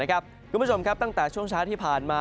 คุณผู้ชมครับตั้งแต่ช่วงเช้าที่ผ่านมา